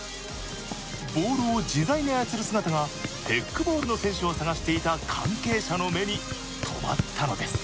ボールを自在に操る姿がテックボールの選手を探していた関係者の目に留まったのです。